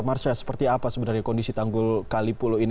marsya seperti apa sebenarnya kondisi tanggul kali puluh ini